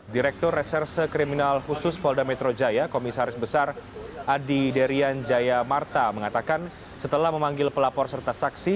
direktur reserse kriminal khusus polda metro jaya komisaris besar adi derian jaya marta mengatakan setelah memanggil pelapor serta saksi